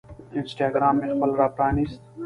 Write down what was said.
انسټاګرام مې خپل راپرانیست